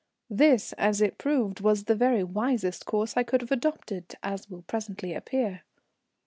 This as it proved was the very wisest course I could have adopted, as will presently appear.